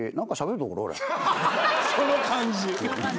その感じ。